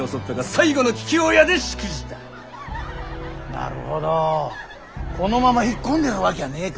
なるほどこのまま引っ込んでるわけはねえか。